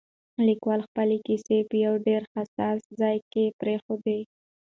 لیکوال خپله کیسه په یو ډېر حساس ځای کې پرېښوده.